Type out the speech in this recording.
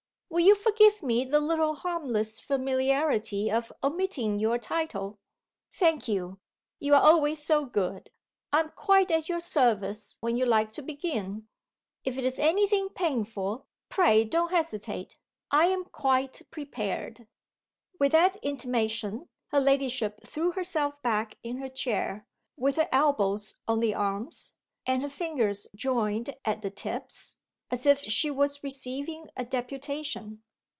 Will you forgive me the little harmless familiarity of omitting your title? Thank you! You are always so good. I am quite at your service when you like to begin. If it's any thing painful, pray don't hesitate. I am quite prepared." With that intimation her ladyship threw herself back in her chair, with her elbows on the arms, and her fingers joined at the tips, as if she was receiving a deputation.